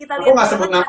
aku nggak sebut namanya